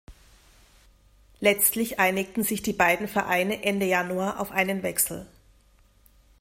Letztlich einigten sich die beiden Vereine Ende Januar auf einen Wechsel.